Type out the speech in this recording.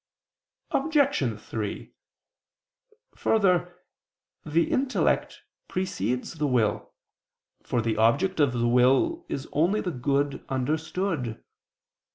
Obj. 3: Further, the intellect precedes the will, for the object of the will is only the good understood.